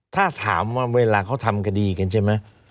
ถ้าถามว่าเวลาเขาทำคดีกันใช่ไหม